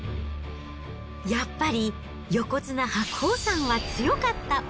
やっぱり横綱・白鵬さんは強かった。